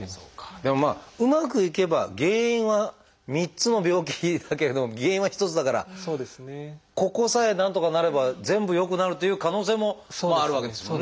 でもまあうまくいけば原因は３つの病気だけれども原因は一つだからここさえなんとかなれば全部良くなるという可能性もあるわけですもんね。